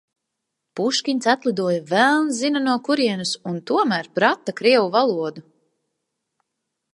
Puškins atlidoja velns zina no kurienes un tomēr prata krievu valodu.